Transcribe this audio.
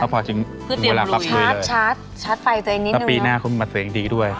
พอถึงเวลาปรับช้วยเลยแล้วปีหน้าเขามีมัตรเสียงดีด้วย